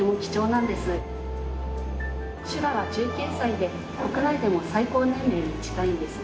シュラは１９歳で国内でも最高年齢に近いんです。